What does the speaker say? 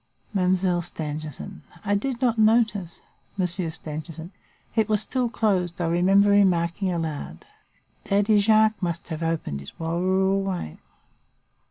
"Mademoiselle Stangerson. I did not notice. "M. Stangerson. It was still closed. I remember remarking aloud: 'Daddy Jacques must surely have opened it while we were away.